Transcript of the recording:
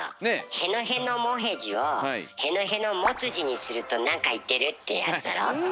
「へのへのもへじ」を「へのへのもつじ」にすると何か言ってるってやつだろ？